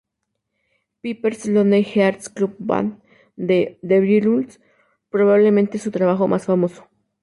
Pepper's Lonely Hearts Club Band" de The Beatles, probablemente su trabajo más famoso.